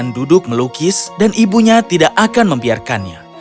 duduk melukis dan ibunya tidak akan membiarkannya